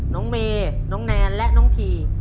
น้องเมย์น้องแนนและน้องที